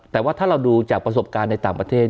แต่ว่าถ้าเราดูจากประสบการณ์ในต่างประเทศ